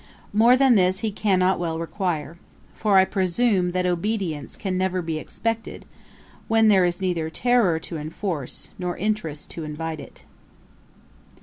More than this he cannot well require; for, I presume, that obedience can never be expected, when there is neither terrour to enforce, nor interest to invite it.'